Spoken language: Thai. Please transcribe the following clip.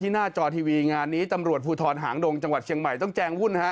หน้าจอทีวีงานนี้ตำรวจภูทรหางดงจังหวัดเชียงใหม่ต้องแจงวุ่นฮะ